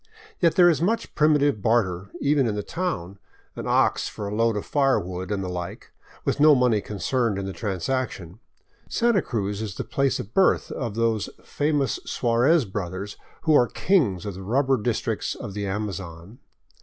Yet there is much primitive barter, even in the town, — an ox for a load of firewood, and the like, with no money concerned in the transaction. Santa Cruz is the place of birth of those famous Suarez brothers who are kings of the rubber districts of the Amazon.